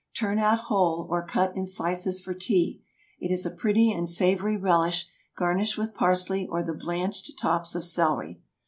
Turn out whole, or cut in slices for tea. It is a pretty and savory relish, garnished with parsley or the blanched tops of celery.